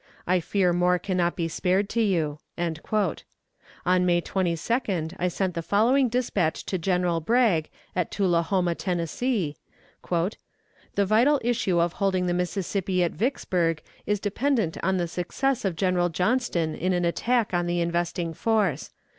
I fear more can not be spared to you." On May 22d I sent the following dispatch to General Bragg, at Tullahoma, Tennessee: "The vital issue of holding the Mississippi at Vicksburg is dependent on the success of General Johnston in an attack on the investing force.